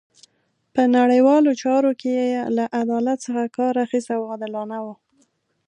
په نړیوالو چارو کې یې له عدالت څخه کار اخیست او عادلانه وو.